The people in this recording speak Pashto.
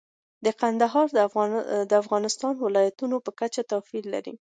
کندهار د افغانستان د ولایاتو په کچه توپیر لري.